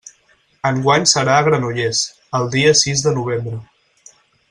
Enguany serà a Granollers, el dia sis de novembre.